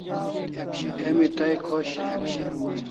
Emi tai khosh e?